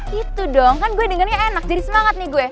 gitu dong kan gue dengernya enak jadi semangat nih gue